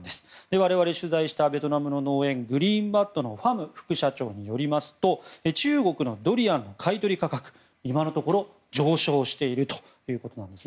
我々、取材したベトナムの農園のグリーンバッドのファム副社長によりますと中国のドリアンの買い取り価格が今のところ上昇しているということなんです。